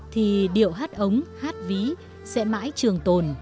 thì điệu hát ống hát ví sẽ mãi trường tồn